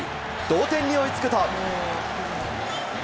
同点に追いつくと。